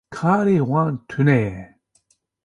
Karê wan tune ye.